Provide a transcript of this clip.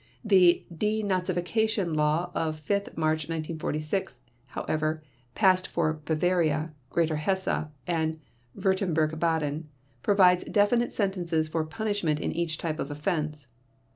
The De Nazification Law of 5 March 1946, however, passed for Bavaria, Greater Hesse, and Württemberg Baden, provides definite sentences for punishment in each type of offense.